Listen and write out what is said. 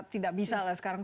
tidak bisa lah sekarang